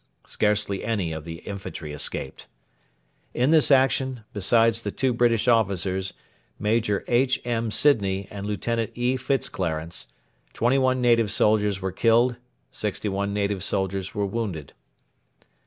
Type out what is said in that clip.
Scarcely any of the infantry escaped. In this action, besides the two British officers, Major H. M. Sidney and Lieutenant E. Fitzclarence, 21 native soldiers were killed; 61 native soldiers were wounded.